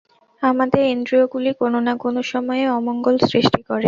আমাদের ইন্দ্রিয়গুলি কোন-না-কোন সময়ে অমঙ্গল সৃষ্টি করে।